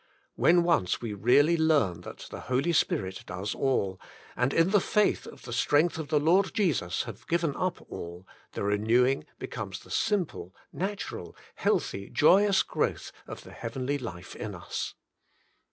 When once we really learn that the Holy Spirit does all, and in the faith of the strength of the Lord Jesus have given up all, the renewing becomes the simple, natural, healthy, joyous growth of the heavenly life in us.